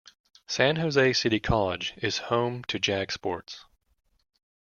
San Jose City College is home to Jagsports.